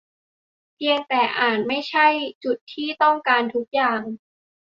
เพียงแต่อาจยังไม่ใช่จุดที่ต้องการทุกอย่าง